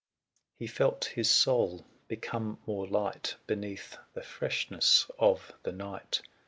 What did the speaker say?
He felt his soul become more light Beneath the freshness of the night.